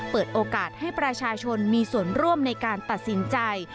เปิดโอกาสให้ประชาชนมีส่วนร่วมในการตัดสินใจ